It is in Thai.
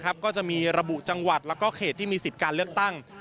ก็จะมีระบุจังหวัดแล้วก็เขตที่มีสิทธิ์การเลือกตั้ง